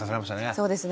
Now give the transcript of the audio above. そうですね。